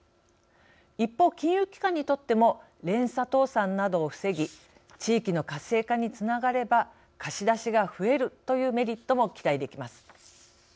一方、金融機関にとっても連鎖倒産などを防ぎ地域の活性化につながれば貸し出しが増えるというメリットも期待できます。